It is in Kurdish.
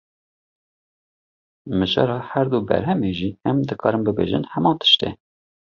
Mijara her du berhemê jî, em dikarin bêjin heman tişt e